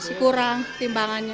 masih kurang timbangannya